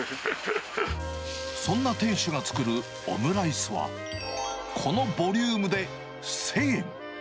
そんな店主が作るオムライスは、このボリュームで１０００円。